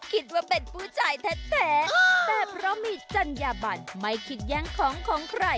คิดว่าเป็นผู้ชายแท้แต่เพราะมีจัญญาบันไม่คิดแย่งของของใคร